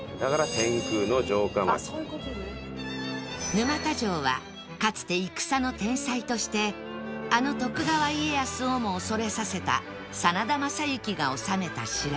沼田城はかつて戦の天才としてあの徳川家康をも恐れさせた真田昌幸が治めた城